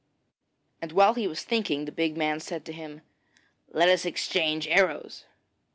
And while he was thinking this the big man said to him: 'Let us exchange arrows.'